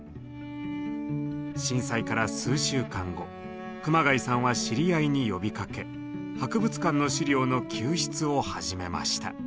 震災から数週間後熊谷さんは知り合いに呼びかけ博物館の資料の救出を始めました。